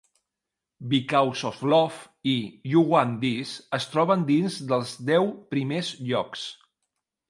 "Because of Love" i "You Want This" es troben dins dels deu primers llocs.